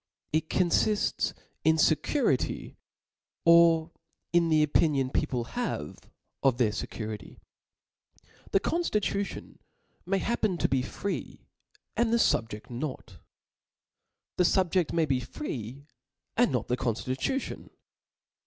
It confifts in fecurity, or in the opi nion people have of their fecurity. The conftitcitibn may happen to be free, and rhc fubjecl not. The fubjeft may be free, and not the conftitution.